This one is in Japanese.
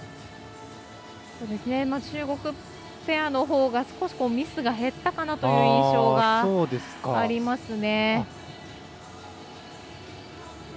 中国ペアのほうが少しミスが減ったかなという印象がありますね。